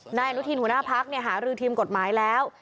นายอนุทินหัวหน้าพักหารือทีมกฎหมายแล้ว